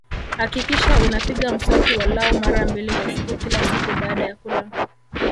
Hakikisha unapiga mswaki walau mara mbili kwa siku kila siku baada ya kula